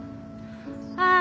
ああ。